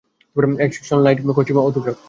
একসন, light, costume, autograph.